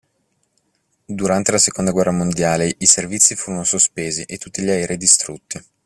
Durante la seconda guerra mondiale i servizi furono sospesi e tutti gli aerei distrutti.